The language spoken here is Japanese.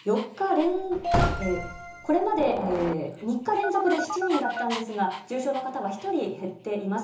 これまで３日連続で７人だったんですが、重症の方は１人減っています。